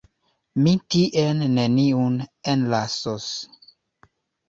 Mi tien neniun enlasos.